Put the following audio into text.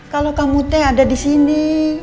kalo kamu teh ada disini